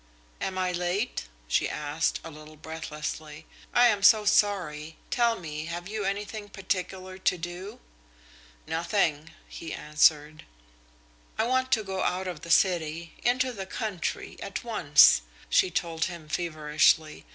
"Am I late?" she asked, a little breathlessly. "I am so sorry. Tell me, have you anything particular to do?" "Nothing," he answered. "I want to go out of the city into the country, at once," she told him feverishly.